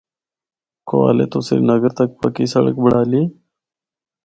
کوہالے تو سری نگر تک پکی سڑک بنڑالی۔